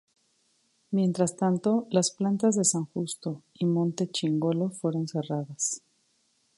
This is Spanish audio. Mientras tanto las plantas de San Justo y Monte Chingolo fueron cerradas.